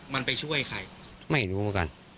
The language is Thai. อ๋อมันไปช่วยใครไม่รู้กัน